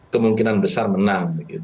kemungkinan besar menang